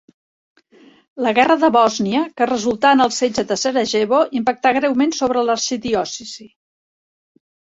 La guerra de Bòsnia, que resultà en el setge de Sarajevo, impactà greument sobre l'arxidiòcesi.